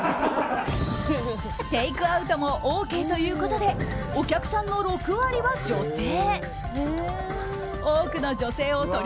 テイクアウトもＯＫということでお客さんの６割は女性。